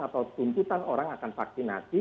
atau tuntutan orang akan vaksinasi